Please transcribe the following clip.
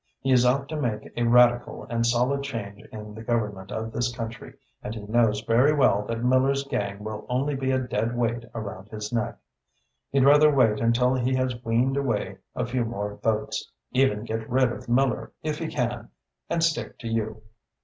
He is out to make a radical and solid change in the government of this country and he knows very well that Miller's gang will only be a dead weight around his neck. He'd rather wait until he has weaned away a few more votes even get rid of Miller if he can and stick to you."